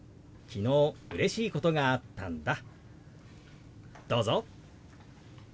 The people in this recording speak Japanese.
昨日うれしいことがあったんだ。